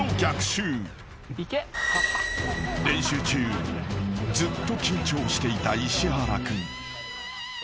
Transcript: ［練習中ずっと緊張していた石原君］